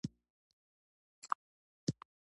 • صداقت د رزق سبب کیږي.